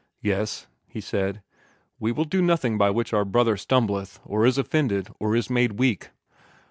"Yes," he said; "we will do nothing by which our 'brother stumbleth, or is offended, or is made weak.'"